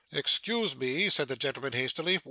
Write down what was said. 'Excuse me,' said the gentleman hastily.